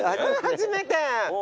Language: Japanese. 初めて。